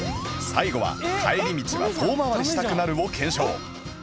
最後は『帰り道は遠回りしたくなる』を検証